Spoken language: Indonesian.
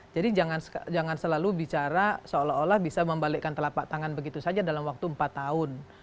jadi jangan selalu bicara seolah olah bisa membalikkan telapak tangan begitu saja dalam waktu empat tahun